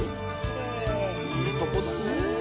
いいとこだね。